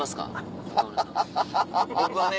僕はね。